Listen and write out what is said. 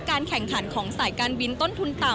การแข่งขันของสายการบินต้นทุนต่ำ